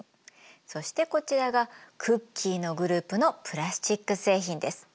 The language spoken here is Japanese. そしてこちらがクッキーのグループのプラスチック製品です。